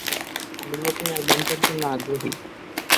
আমি নতুন এলবামটার জন্য আগ্রহী।